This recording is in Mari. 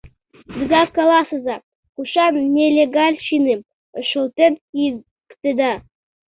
Вигак каласыза, кушан нелегальщиным шылтен кийыктеда.